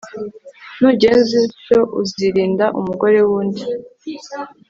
nugenza utyo, uzirinda umugore w'undi